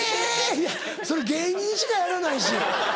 いやそれ芸人しかやらないし。